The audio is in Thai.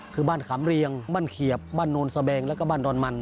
คือบ้านขามเรียงบ้านเขียบบ้านโนนสแบงแล้วก็บ้านดอนมัน